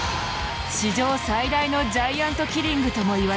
史上最大のジャイアントキリングともいわれた。